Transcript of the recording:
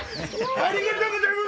ありがとうございます？